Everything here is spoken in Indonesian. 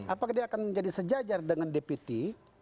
apakah dia akan menjadi sejajar dengan deputi